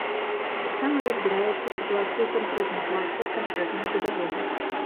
Таксама разбіраюцца сітуацыі ў канкрэтным класе канкрэтнага педагога.